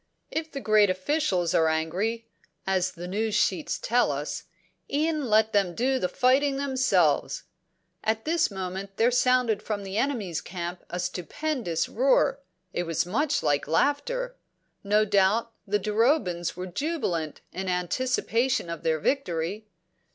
If the great officials are angry, as the news sheets tell us, e'en let them do the fighting themselves." At this moment there sounded from the enemy's camp a stupendous roar; it was much like laughter; no doubt the Durobans were jubilant in anticipation of their victory.